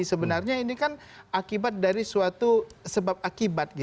sebenarnya ini kan akibat dari suatu sebab akibat